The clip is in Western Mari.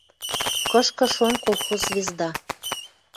Кышкы шон колхоз «Звезда»